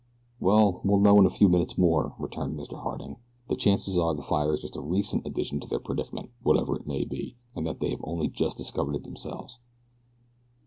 "Well, we'll know in a few minutes more," returned Mr. Harding. "The chances are that the fire is just a recent addition to their predicament, whatever it may be, and that they have only just discovered it themselves."